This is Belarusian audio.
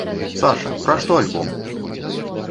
Саша, пра што альбом?